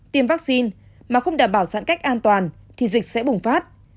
tiêm vaccine mà không đảm bảo giãn cách an toàn thì dịch sẽ bùng phát